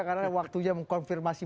karena waktunya mengkonfirmasi